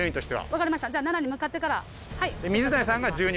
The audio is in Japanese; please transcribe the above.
分かりましたじゃあ７に向かってから。